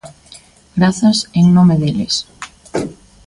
Grazas en nome deles.